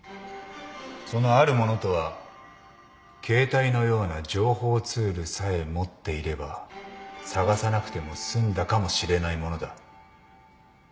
そのあるものとは携帯のような情報ツールさえ持っていれば探さなくても済んだかもしれないものだ。